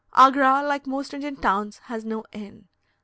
Agra, like most Indian towns, has no inn.